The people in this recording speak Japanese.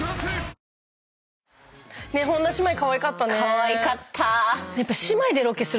かわいかった！